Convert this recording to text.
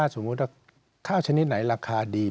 สมมุติว่าข้าวชนิดไหนราคาดี